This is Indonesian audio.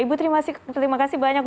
ibu terima kasih banyak